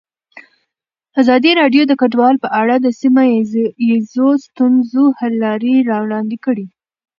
ازادي راډیو د کډوال په اړه د سیمه ییزو ستونزو حل لارې راوړاندې کړې.